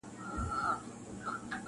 وړانګي ته په تمه چي زړېږم ته به نه ژاړې-